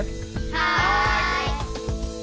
はい！